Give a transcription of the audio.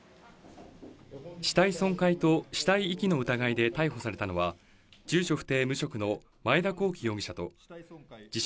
死体損壊と死体遺棄の疑いで逮捕されたのは、住所不定無職の前田広樹容疑者と、自称・